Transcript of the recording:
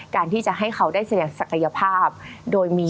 การที่จะให้เขาได้แสดงศักยภาพโดยมี